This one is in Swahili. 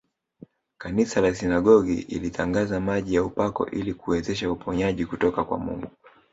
Kanisa la sinagogi ilitangaza maji ya upako ili kuwezesha uponyaji kutoka kwa Mungu